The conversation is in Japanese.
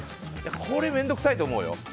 これ面倒くさいと思うよ。